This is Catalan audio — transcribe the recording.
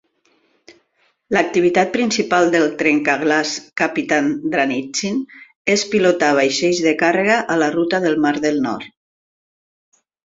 L'activitat principal del trencaglaç "Kapitan Dranitsin" és pilotar vaixells de càrrega a la ruta del mar del Nord.